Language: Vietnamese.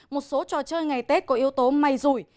một số trò chơi ngày tết có yếu tố may rủi